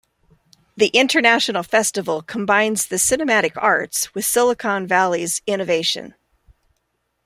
The international festival combines the cinematic arts with Silicon Valley's innovation.